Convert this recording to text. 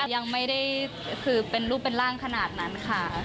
ยังไม่ได้คือเป็นรูปเป็นร่างขนาดนั้นค่ะ